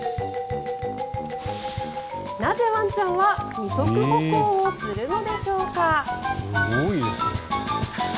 なぜワンちゃんは二足歩行をするのでしょうか。